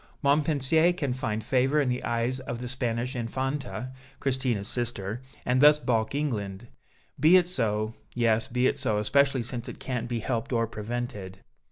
Montpensier can find favor in the eyes of the Spanish Infanta, Christina's sister, and thus balk England; be it so, yes, be it so, especially since it can't be helped or prevented."